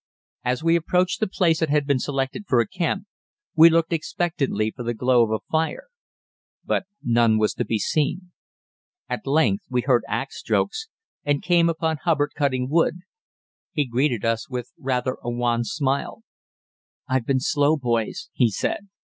As we approached the place that had been selected for a camp, we looked expectantly for the glow of the fire, but none was to be seen. At length we heard axe strokes, and came upon Hubbard cutting wood. He greeted us with rather a wan smile. "I've been slow, boys," he said.